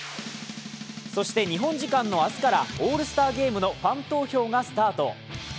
そして、日本時間の明日からオールスターゲームのファン投票がスタート。